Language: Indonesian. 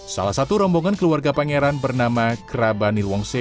salah satu rombongan keluarga pangeran bernama krabanilwongse